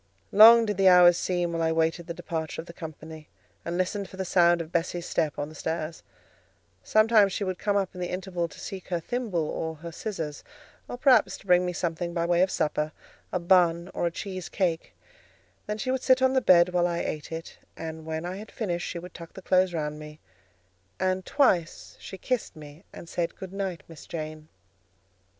Long did the hours seem while I waited the departure of the company, and listened for the sound of Bessie's step on the stairs: sometimes she would come up in the interval to seek her thimble or her scissors, or perhaps to bring me something by way of supper—a bun or a cheese cake—then she would sit on the bed while I ate it, and when I had finished, she would tuck the clothes round me, and twice she kissed me, and said, "Good night, Miss Jane."